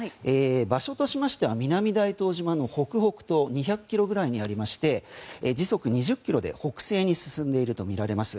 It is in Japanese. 場所としては南大東島の北北東２００ｋｍぐらいにありまして時速２０キロで北西に進んでいるとみられます。